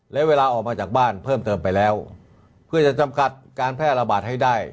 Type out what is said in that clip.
และเวลาออกมาจากบ้านเพิ่มเติมไปแล้วเพื่อจะจำกัดการแพร่ระบาดให้ได้